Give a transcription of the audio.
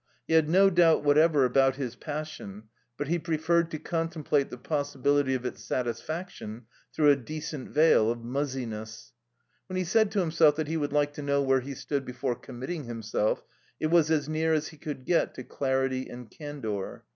He had no doubt whatever about his passion, but he preferred to contemplate the possibility of its satisfaction through a decent veil of muzziness. When he said to himself that he would like to know where he stood before committing himself, it was as near as he could get to clarity and candour.